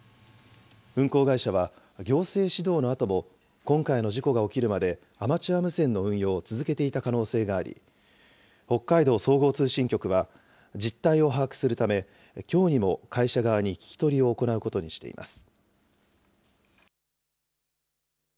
運航会社は行政指導のあとも、今回の事故が起きるまでアマチュア無線の運用を続けていた可能性があり、北海道総合通信局は、実態を把握するため、きょうにも会社側に聞き取りを行うことにしています。